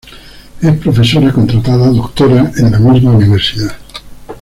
Es profesora Contratada Doctora en la misma universidad.